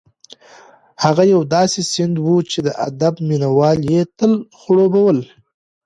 هغه یو داسې سیند و چې د ادب مینه وال یې تل خړوبول.